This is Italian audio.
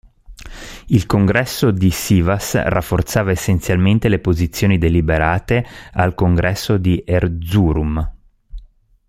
Il Congresso di Sivas rafforzava essenzialmente le posizioni deliberate al Congresso di Erzurum.